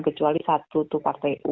kecuali satu tuh partai